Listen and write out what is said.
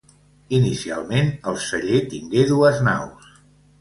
Inicialment el celler tingué dues naus.